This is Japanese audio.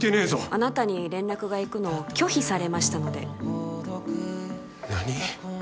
あなたに連絡がいくのを拒否されましたので何！？